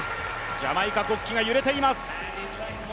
ジャマイカ国旗が揺れています。